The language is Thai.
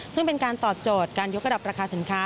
ซึ่งเป็นการตอบโจทย์การยกระดับราคาสินค้า